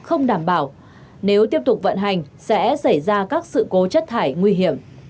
không đảm bảo nếu tiếp tục vận hành sẽ xảy ra các sự cố chất thải nguy hiểm